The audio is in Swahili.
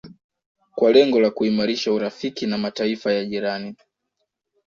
kwa lengo la kuimarisha urafiki na Mataifa ya jirani